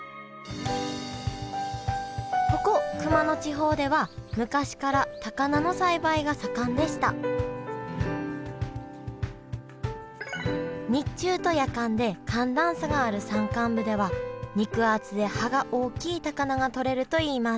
ここ熊野地方では昔から高菜の栽培が盛んでした日中と夜間で寒暖差がある山間部では肉厚で葉が大きい高菜がとれるといいます